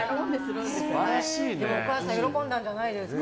でもお母さん喜んだんじゃないですか？